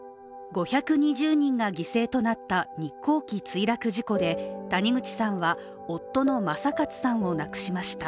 ５２０人が犠牲となった日航機墜落事故で谷口さんは夫の正勝さんを亡くしました。